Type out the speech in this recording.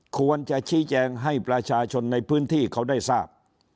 ควรจะชี้แจงให้ประชาชนในพื้นที่เขาได้ทราบ